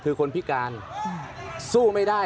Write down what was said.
อาจจะทำให้ถึงกันความตายได้